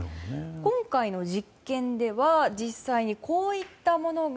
今回の実験では実際に、こういったものが。